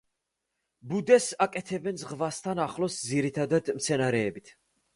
ბუდეს აკეთებენ ზღვასთან ახლოს, ძირითადად მცენარეებით.